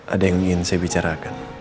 ada yang ingin saya bicarakan